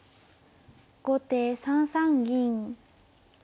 後手３三銀。